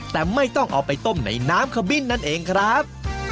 แต่ไม่ต้องเอาไปต้มในน้ำขมิ้นนั่นเองครับ